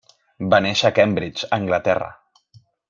Va néixer a Cambridge, Anglaterra.